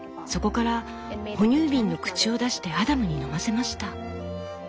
そこから哺乳瓶の口を出してアダムに飲ませました」。